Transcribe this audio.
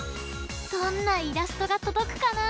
どんなイラストがとどくかな！